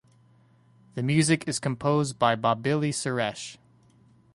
The music is composed by Bobbili Suresh.